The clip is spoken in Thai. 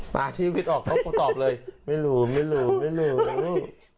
ปลาที่วิทย์ออกเขาก็ตอบเลยไม่รู้ไม่รู้ไม่รู้